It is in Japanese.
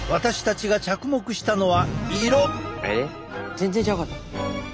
全然ちゃうかった。